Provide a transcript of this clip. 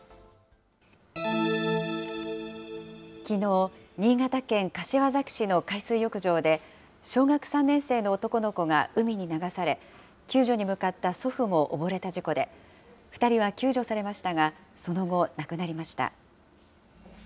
きのう、新潟県柏崎市の海水浴場で、小学３年生の男の子が海に流され、救助に向かった祖父も溺れた事故で、２人は救助されましたが、その後、亡くなりました。